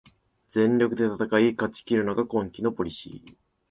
全力で戦い勝ちきるのが今季のポリシー